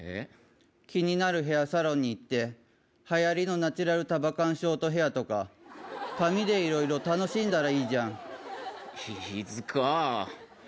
気になるヘアサロンに行って、はやりのナチュラル束感ショートヘアとか髪でいろいろ楽しんだら飯塚。